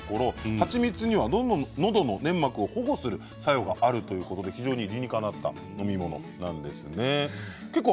蜂蜜にはのどの粘膜を保護する作用があるということで非常に理にかなった飲み物なんですね。